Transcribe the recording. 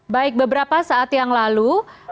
baik beberapa saat yang lalu